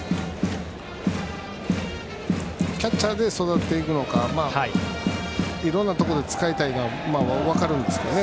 キャッチャーで育てていくのかいろんなところで使いたいのは分かるんですけどね。